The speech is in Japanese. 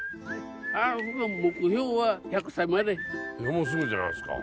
もうすぐじゃないですか。